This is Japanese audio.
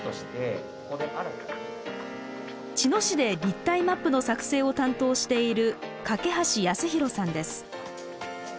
茅野市で立体マップの作成を担当している梯泰弘さんです。